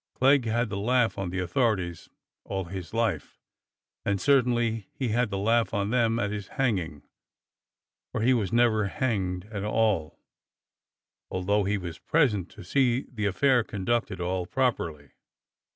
Clegg had the laugh on the authorities all his life, and certainly he had the laugh on them at his hanging, for he was never hanged at all, although he was present to see the affair con ducted all properly.